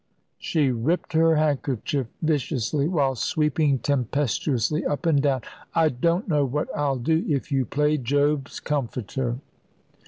she ripped her handkerchief viciously, while sweeping tempestuously up and down. "I don't know what I'll do, if you play Job's comforter."